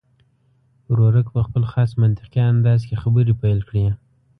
ورورک په خپل خاص منطقي انداز کې خبرې پیل کړې.